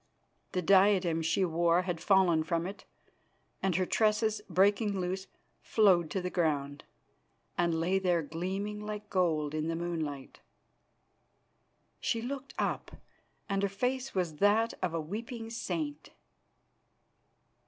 The diadem she wore had fallen from it, and her tresses, breaking loose, flowed to the ground, and lay there gleaming like gold in the moonlight. She looked up, and her face was that of a weeping saint.